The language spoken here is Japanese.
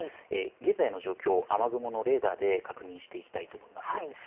現在の状況を雨雲のレーダーで確認していきたいと思います。